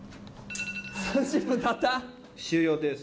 終了です。